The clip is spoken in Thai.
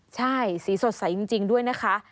ใช่สีสดใสจริงด้วยนะคะ